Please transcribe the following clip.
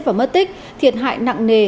và mất tích thiệt hại nặng nề